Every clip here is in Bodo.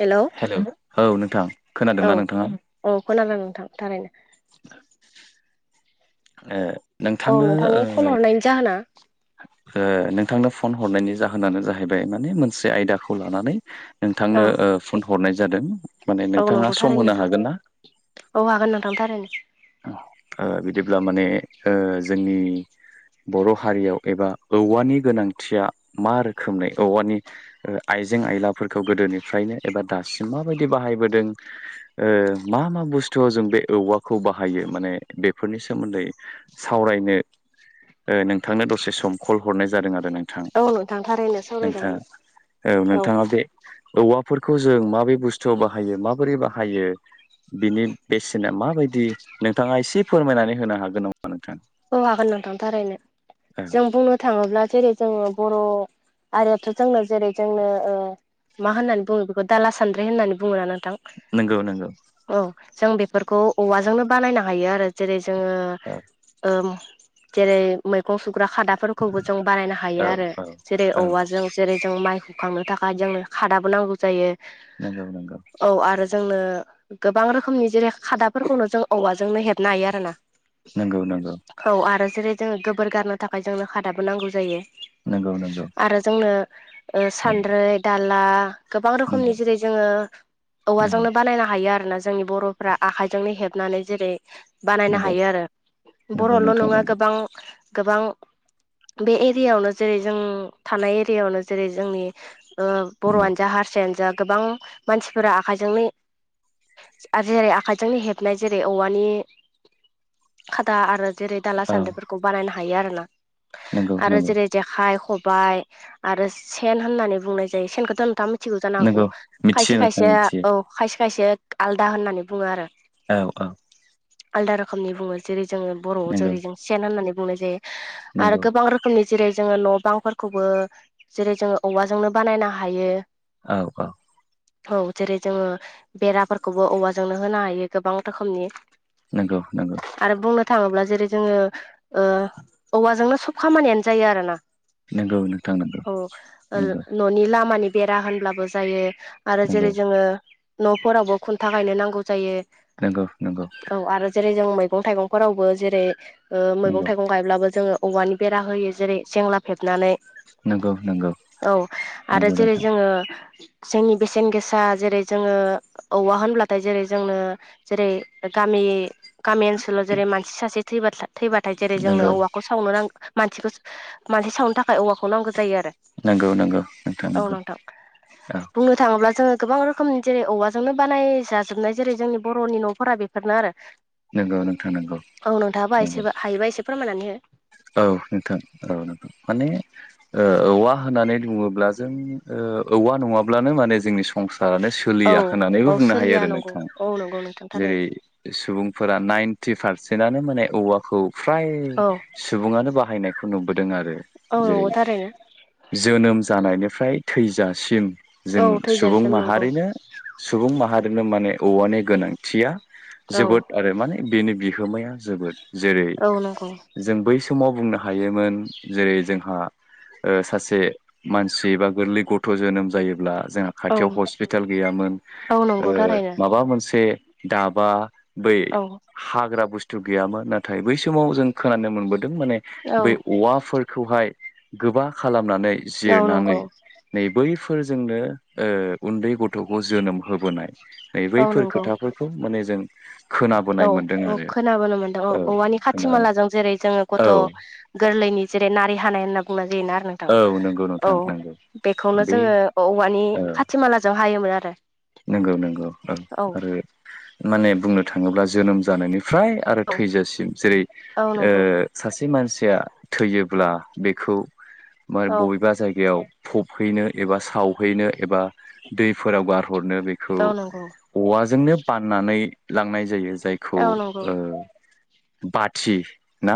हेल' हेलौ औ नोंथां औ खोनादोंना नोंथाङा औ खोनादों नोंथां थारैनो ओ औ नोंथांनो नोंथांनि कल ओ हरनायनि जाहोना ओ नोंथांनो फन हरनायनि जाहोनानो जाहैबाय माने मोनसे आयदाखौ लानानै औ नोंथांनो ओ फन हरनाय जादों माने औ नंगौ नोंथाङा सम थारैनो होनो नोंथां हागोन ना औ हागोन नोंथां थारैनो ओ बिदिब्ला माने जोंनि बर' हारियाव एबा औवानि गोनांथिया मा रोखोमनि औवानि ओ आइ जें आइलाफोरखौ गोदोनिफ्रायनो एबा दासि म माबायदि बाहायबोदों ओ मा मा बुसथुआव जों बे औवाखौ बाहायो माने बेफोरनि सोमोन्दै सावरायनो ओ नोंथांनो दसे सम कल हरनाय जादों आरो नोंथां औ नोंथां थारैनो सावरायजागोन नोंथाङा औ नोंथाङा बे औवाफोरखौ जों माबे बुस्थुआव बाहायो माबोरै बाहायो बिनि बेसेना माबा दि नोंथाङा एसे फोरमायनानै होनो हागोन नामा नोंथां औ हागोन नोंथां थारैनो औ जों बुंनो थाङोब्ला जेरै जोङो बर' आरोथ' जोंना जेरै जोंनो ओ मा होननानै बुङो बेखौ दाला सान्द्रि होननानै बुङो लान नंगौ नंगौ जों बेफोरखौ औवाजोंनो बानायनो हायो आरो जेरै जोङो औ जेरै मैगं खादाफोरखौबो जों बानायनो हायो औ आरो औ जेरै औ औवा जों जेरै जों माइखौ खांनो थाखाय जोंनो खादाबो नांगौ जायो नोंगौ नंगौ औ आरो जोंनो गोबां रोखोमनि जेरै खादाफोरखौनो जों औवाजोंनो हेबनो हायो आरो ना नंगौ नंगौ औ आरो जेरै जोङो गोबोर गारनो थाखाय जोंनो खादाबो नांगौ जायो नंगौ नंगौ आरो जोंनो सानद्रै दाला गोबां रोखोमनि नंगौ जेरै जोङो नंगौ औवाजोंनो बानायनो हायो आरोना जोंनि बर'फ्रा आखाइजोंनो हेबनानै जेरै बानायनो नंगौ हायो आरो नंगौ बर'ल' नोंथां नङा नंगौ गोबां गोबां बे एरियायावनो जेरै जों थानाय एरियायावनो जेरै जोंनि नंगौ बर'आनो जा हारसायानो जा गोबां मानसिफोरा आखायजोंनो आरो जेरै आखाइजोंनो हेबनाय जेरै औवानि खादा आरो जेरै दाला औ सान्द्रिफोरखौ बानायनो हायो आरो ना नंगौ आरो नंगौ जेरै जेखाइ खबाय आरो सेन होननानै बुंनाय जायो सेनखौथ नोंथ थिगौ नंगौ जानांगौ मिथियो खायसे नोंथां खायसे मिथियो औ खायसे खायसे आलदा होननानै बुङो आरो औ औ आलदा रोखोमनि बुङो जेरै जोङो बर'आव नंगौ जेरै जों सेन होननानै बुंनाय जायो आरो नंगौ गोबां रोखोमनि जेरै जोङो न' बांफोरखौबो जेरै जोङो औवाजोंनो बानायनो हायो औ औ औ जेरै जोङो बेराफोरखौबो औवाजोंनो होनो हायो गोबां रोखोमनि नंगौ नंगौ आरो बुंनो थाङोब्ला जेरै जोङो औवाजोंनो सब खामानियानो जायो आरो ना नंगौ नोंथां नंगौ औ नंगौ न'नि लामानि बेरा होनब्लाबो जायो आरो नंगौ जेरै जोङो न'फोरावबो खुन्था गायनो नांगौ जायो नंगौ नंगौ औ आरो जेरै जों मैगं थाइगंफोरावबो जेरै मैगं थाइगं गायब्लाबो जोङो औवानि बेरा होयो जेरै सेंला फेब सिबनानै नंगौ नंगौ औ आरो नंगौ जेरै नोंथां जोङो जोंनि बेसेन गोसा जेरै जोङो औवा होनब्लाथाय जेरै जोंनो जेरै गामि गामि गामि ओनसोलाव जेरै मानसि सासे थैबाथाय जेरै जोंनो नंगौ औवाखौ सावनो नांगौ मानसिखौ मानसि सावनो थाखाय औवाखौ नांगौ जायो आरो नंगौ नंगौ नोंथां नंगौ औ बुंनो थाङोब्ला जोङो गोबां रोखोमनि जेरै औवाजोंनो बानाय जाजोबनाय जेरै जोंनि बर'नि न'फोरा बेफोरनो आरो नंगौ नोंथां नंगौ औ नोंथाङाबा नंगौ एसे हायोबा एसे फोरमायनानै हो औ नोंथां औ नोंथां माने औवा होननानै बुङोब्ला जों औवा नङाब्लानो माने जोंनि संसारानो हो सोलिया होननानैबो औ औ बुंनो हायो सोलिया आरो नंगौ नोंथाङा औ नंगौ नोंथां जेरै थारैनो सुबुंफोरा नाइनटि पारसेन्टनो माने औवाखौ फ्राय औ बाहायनियखो नुबोदों‌ आरो औ नंगौ थारैनो जोनोम जानायनिफ्राय थैजासिम औ जों सुबुं थैजासिम नंगौ माहारिनो सुबुं माहारिनो माने औवानि गोनांथिया औ जोबोद आरो माने बिनि बिहोमाया जोबोद जेरै औ नंगौ जों बै समाव बुंनो हायोमोन जेरै जोंहा सासे मानसि बा गोरलै गथ' जोनोम जायोब्ला जोंहा औ खाथियाव हस्पिटाल गैयामोन औ नंगौ थारैनो माबा मोनसे दाबा बै औ हाग्रा बुस्थु गैयामोन नाथाय बै समाव जों खोनानो मोनबोदों माने बै औ औवाफोरखौहाय गोबा खालाम औ नंगौ जिरनानै नै बै फोरजोंनो उन्दै गथ'खौ जोनोम होबोनाय नै औ बैफोर नंगौ खोथाफोरखौ माने जों खोनाबोनाय मोनदों आरो औ खोनानो खाथिमाला जों जेरै जोङो औ गथ' गोरलैनि जेरै नारि हानाय होनना बिनो आरो नोंथां औ नंगौ औ नोंथां नंगौ बेखौनो बे जोङो औवानि औ खाथि मालाजों हायोमोन आरो नंगौ नंगौ औ आरो माने बुंनो थाङोब्ला जोनोम जानायनिफ्राय आरो औ थैजासिम जेरै औ ओ नंगौ सासे मानसिया थैयोब्ला बेखौ मा औ बबेबा जायगायाव फबहैनो एबा सावहैनो एबा दैफोराव गार हरनो बेखौ औ नंगौ औवाजोंनो बाननानै लांनाय जायो। जायखौ औ नंगौ ओ बाथि ना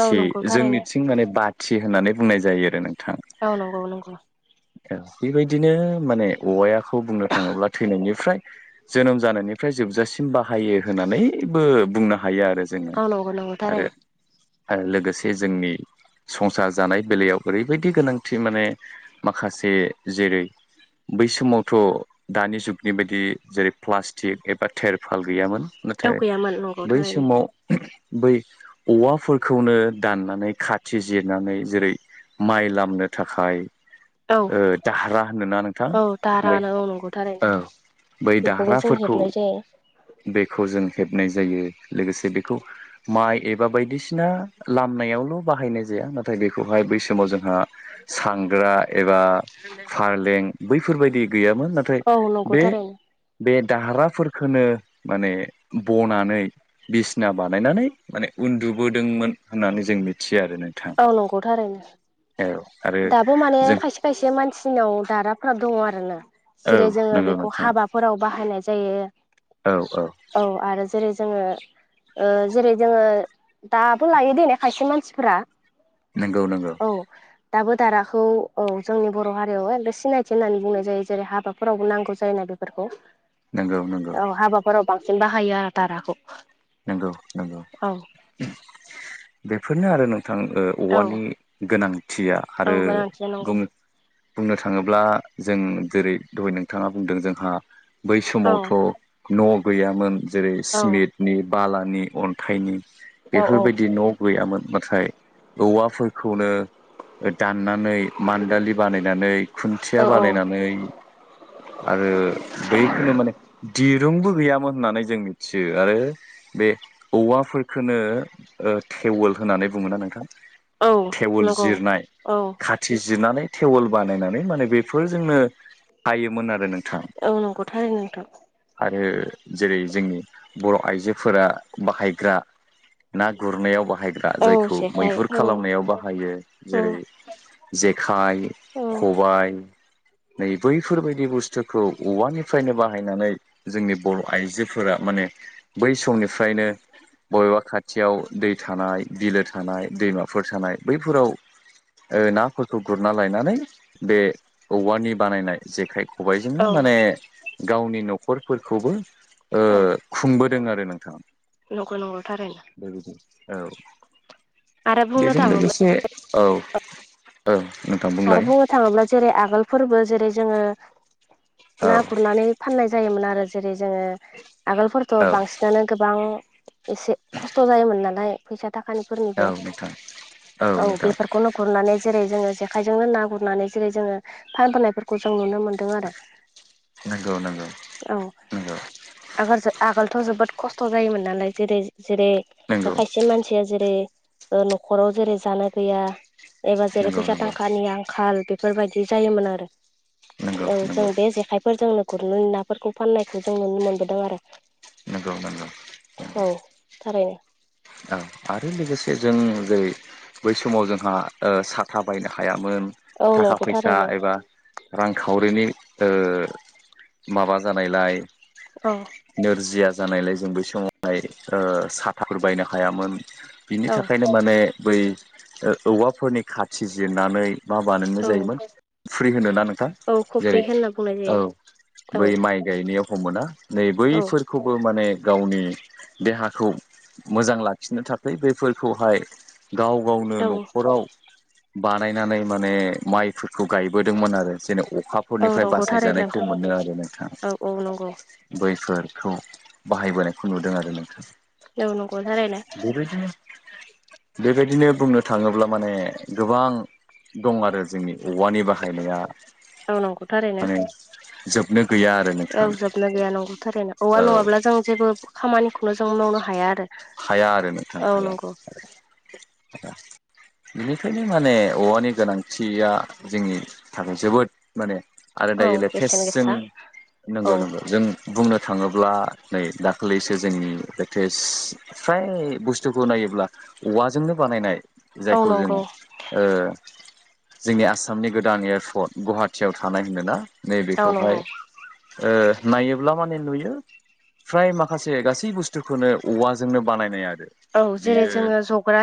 औ नंगौ थारैनो जोंनिथिं माने बाथि होननानै बुंनाय जायो आरो नोंथाङा औ नंगौ नंगौ बेबायदिनो माने औवायाखौ बुंनो थाङोब्ला थैनायनिफ्राय जोनोम जानायनिफ्राय जोबजासिम बाहायो होननानैबो बुंनो हायो आरो जोङो औ नंगौ नंगौ आरो थारैनो आरो लोगोसे जोंनि संसार जानाय बेलायाव ओरैबायदि गोनांथि माने माखासे जेरै बै समावथ' दानि जुगनि बायदि जेरै प्लास्टिक एबा थेरफाल गैयामोन औ नाथाय गैयामोन नंगौ बै थारैनो समाव बै औवाफोरखौनो दाननानै खाथि जिरनानै जेरै माइ लामनो थाखाय औ दाहारा होननो ना नोंथां औ बै दारानो औ नंगौ थारैनो औ बै बेखौबो जों दाह्राफोरखौ हेबनाय जायो बेखौ जों हेबनाय जायो लोगोसे बेखौ माइ एबा बायदिसिना लामनायावल' बाहायनाय जाया नाथाय बेखौहाय बै समाव जों जोंहा सांग्रा एबा फारें बैफोरबायदि गैयामोन नाथाय औ नंगौथारैनो दाहाराफोरखोनो माने बनानै बिसना बानायनानै माने उन्दुबोदोंमोन होननानै जों मिथि यो आरो नोंथां औ नंगौ थारैनो औ आरो दाबो माने जों खायसे खायसे मानसिनियाव दाराफ्रा दङ आरो ना औ जेरै जोङो नंगौ बेखौ नोंथां हाबाफोराव बाहायनाय जायो औ आरो जेरै जोङो जेरै जोङो दाबो लायो दै खायसे मानसिफोरा नंगौ नंगौ औ दाबो दाराखौ औ जोंनि बर' हारियाव एगद सिनायथि होननानै बुंनाय जायो जेरै हाबाफोरावबो नांगौ जायो। बेफोरखौ नंगौ नंगौ औ हाबाफोराव बांसिन बाहायो आरो दाराखौ नंगौ नंगौ औ बेफोरनो आरो नों थां औ औवानि गोनांथिया औ आरो गोनांथिया नंगौ बुं बुंनो थाङोब्ला जों जेरै दहाय नोंथाङा बुंदों जोंहा बै औ समावथ' न' गैयामोन जेरै औ सिमेन्टनि बालानि अन्थाइनि औ औ बेफोरबायदि न' गैयामोन नाथाय औवाफोरखौनो दाननानै मान्दालि बानायनानै औ खुन्थिया औ बानायनानै आरो बैखौनौ माने दिरुंबो गैयामोन होननानै जों मिथियो आरो बे औवाफोरखोनो थेवोल होननानै बुङोना नोंथां औ थेवोल नंगौ जिरनाय औ खाथि जिरनानै थेवोल बानायनानै माने बेफोर जोंनो हायोमोन आरो नों औ नंगौ थारैनो नोंथां आरो जेरै जोंनि बर' आइजोफोरा बाहायग्रा ना गुरनायाव बाहायग्रा औ जायखौ जेखाइ मैहुर औ खालामनायाव बाहायो जेरै औ जे जेखाय औ खबाय नै बैफोरबायदि बुस्थुखौ औवानिफ्रायनो बाहायनानै जोंनि बर' आइजोफोरा माने बै समनिफ्रायनो बबेबा खाथि खाथियाव दै थानाय बिलो थानाय दैमाफोर थानाय बैफोराव नाफोरखौ गुरना लायनानै बे औवानि बानायनाय जेखाइखौ खबायजोंनो औ माने गावनि न'खफोरखौबो औ खुंबोदों दों आरो नोंथाङा नंगौ नंगौ थारैनो औ आरो बुंनो बेजों थाङोब्ला लोगोसे औ औ नोंथां आरो बुंलाय बुंनो थाङोब्ला जेरै आगोल फोरबो जेरै जोङो औ ना गुरनानै फाननाय जायो जायोमोन आरो जेरै जोङो आगोलफोरथ' औ बांसिनानो गोबां एसे खस्थ' जायोमोन नालाय फैसा थाखानिफोरनिबो औ नोंथां औ बेफोरखौनो गुरनानै जेरै जोङो जे आखाइजोंनो ना गुरनानै जेरै जोङो फानबोनायफोरखौ जों नुनो मोन्दों आरो नंगौ नंगौ औ नंगौ आगोल आगोलथ' जोबोद खस्थ' खथ' जायोमोन नालाय जेरै जेरै नंगौ खायसे मानसिया जेरै न'खराव जेरै जानो गैया एबा जेरै नंगौ फैसा नंगौ थाखांखानि आंखाल बेफोरबायदि जायोमोन आरो नंगौ औ जों बे जेखायफोरजोंनो गुरनानै नाफोरखौ फाननायखौ जों नुनो मोनबोदों आरो नंगौ नंगौ नंगौ थार औ आरो लोगोसे जों जै बै समाव जोंहा साथा बायनो हाया मोन औ थाखा नंगौ फैसा थारैनो एबा रांखावरिनि माबा जानायलाय औ नोरजिया जानायलाय जों बै समावहाय साथाफोर बायनो हायामोन बिनि औ थाखायनो माने बै औवाफोरनि खाथि जिरनानै मा बानायो औ जायोमोन फ्रि होनो ना नोंथां औ जेरै खफ्रि होनना बुंनाय औ जायो बै औ माइ गायनायाव मोना नै औ बैफोरखौबो माने गावनि देहाखौ मोजां लाखिनो थाखै बेफोरखौहाय गाव गावनो औ न'खराव बानायनानै माने माइफोरखौ गायबोदोंमोन आरो जेनेबा औ अखाफोरनिफ्राय नंगौ थारैनो बासायजानायखौ नोंथां मोनो आरो औ औ नोंथाङा नंगौ बै फोरखौ बाहायबोनायखौ नुदों आरो नोंथां औ नंगौ थारैनो बेबायदिनो बेबायदिनो बुंनो थाङोब्ला माने गोबां दं आरो जोंनि औवानि बाहायनाया औ नंगौ थारैनो माने जोबनो गैया आरो ओ नोंथां जोबना गैया नंगौ थारैनो औवा औ नङाब्ला जों जेबो खामानिखौनो जों मावनो हाया आरो हाया आरो नोंथां औ नंगौ हायाया बिनिखायनो माने औवानि गोनांथिया जोंनि थाखाय जोबोद माने आरो औ दायो लेटेस्ट बेसेन जों गोसा औ नंगौ नंगौ जों बुंनो थाङोब्ला नै दाखालिसो जोंनि लेटेस्ट फ्राय बुस्थुखौ नायोब्ला औवाजोंनो बानायनाय औ जायखौ जों नंगौ जोंनि आसामनि गोदान एयारपर्ट गुवाहाटीआव थानाय होनोना औ नैबेखौहाय नंगौ नायोब्ला माने नुयो फ्राय माखासे गासै बुस्थुखौनो औवाजोंनो बानायनाय आरो औ जेरै बियो जोङो जग्रा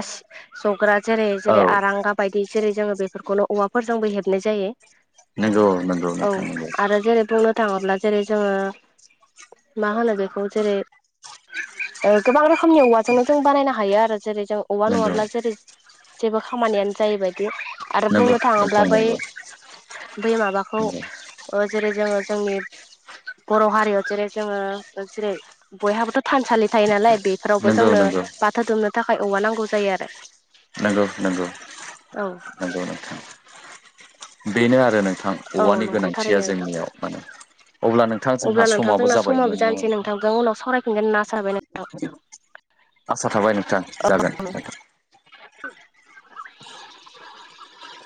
जग्रा जेरै औ जेरै आरांगा बायदि जेरै जोङो बे बेफोरखौनो औवाफोरजोंबो हेबनाय जायो नंगौ नंगौ औ नोंथां नंगौ आरो जेरै बुंनो थाङोब्ला जेरै जोङो मा होनो बेखौ जेरै गोबां रोखोमनि जोंनोथ' बानायनो हायो आरो जेरै जों औवा नंगौ नङाब्ला जेरै जेबो खामानियानो जायैबाय- आरो नंगौ बुंनो थाङोब्ला नोंथां बै नंगौ बै माबाखौ ओ जेरै जोङो जोंनि बर' हारियाव जेरै जोङो जेरै बयहाबोथ' थानसालि थायो नालाय बेफोरावबो नंगौ नंगौ जोंनो बाथो दुमनो थाखाय औवा नांगौ जायो आरो नंगौ नंगौ औ नंगौ नोंथां बेनो आरो नों नोंथां औ औवानि नंगौ गोनांथिया थारैनो नोंथां जोंनियाव मानो अब्ला नोंथाङा जोंहा अब्ला नोंथां समाबो जोंना जाबायमोन समाबो नङा जानोसै नोंथां नोंथांजों उनाव सावरायफिनगोन होनना आसा थाबाय नोंथां आसा थाबाय नोंथां जागोन